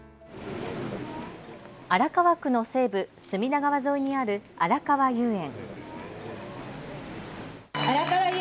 荒川区の西部、隅田川沿いにあるあらかわ遊園。